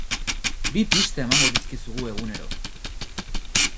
Bi pista emango dizkizugu egunero!